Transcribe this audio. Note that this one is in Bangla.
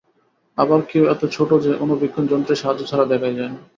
আবার কেউ এত ছোট যে অনুবীক্ষণ যন্ত্রের সাহায্য ছাড়া দেখাই যায় না।